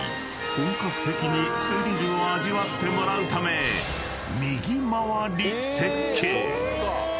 本格的にスリルを味わってもらうため右回り設計］